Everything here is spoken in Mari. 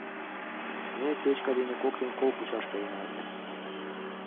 Ме Петька дене коктын кол кучаш кайынена ыле.